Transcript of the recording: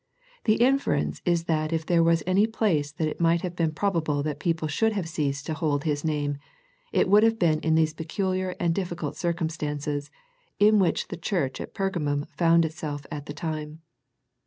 The inference is that if there was any place that it might have been probable that people should have ceased to hold His name, it would have been in these peculiar and difficult circum stances in which the church at Pergamum found itself at the time.